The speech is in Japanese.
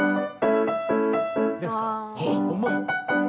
ですから。